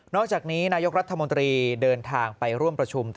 อกจากนี้นายกรัฐมนตรีเดินทางไปร่วมประชุม